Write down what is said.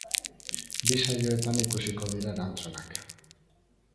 Bi saioetan ikusiko dira erantzunak.